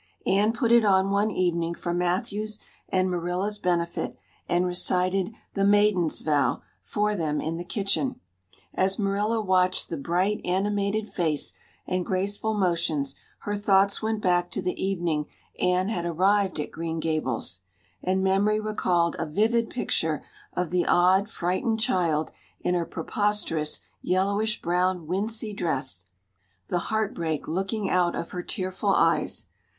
Anne put it on one evening for Matthew's and Marilla's benefit, and recited "The Maiden's Vow" for them in the kitchen. As Marilla watched the bright, animated face and graceful motions her thoughts went back to the evening Anne had arrived at Green Gables, and memory recalled a vivid picture of the odd, frightened child in her preposterous yellowish brown wincey dress, the heartbreak looking out of her tearful eyes.